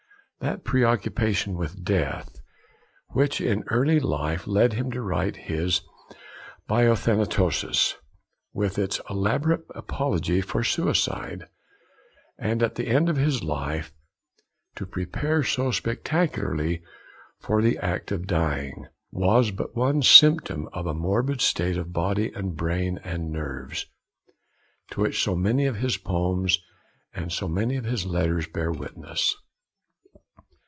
That preoccupation with death, which in early life led him to write his Biathanatos, with its elaborate apology for suicide, and at the end of his life to prepare so spectacularly for the act of dying, was but one symptom of a morbid state of body and brain and nerves, to which so many of his poems and so many of his letters bear witness.